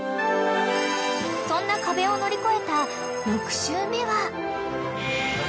［そんな壁を乗り越えた６週目は］